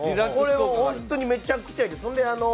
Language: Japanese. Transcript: これは本当にめちゃくちゃいいです。